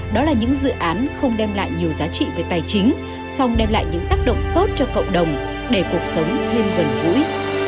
đó là những dự án không đem lại nhiều giá trị về tài chính song đem lại những tác động tốt cho cộng đồng để cuộc sống thêm gần gũi